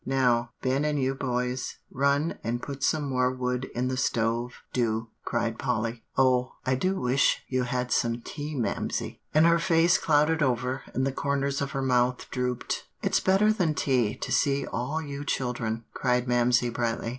"Now, Ben and you boys run and put some more wood in the stove, do," cried Polly; "oh, I do so wish you had some tea, Mamsie!" and her face clouded over, and the corners of her mouth drooped. "It's better than tea, to see all you children," cried Mamsie brightly.